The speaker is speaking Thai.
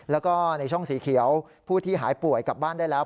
แล้วก็ในช่องสีเขียวผู้ที่หายป่วยกลับบ้านได้แล้ว